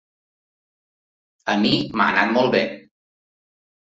A mi m’ha anat molt be.